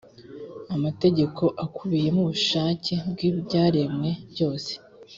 amategeko akubiyemo ubushake bw’ ibyaremwe byose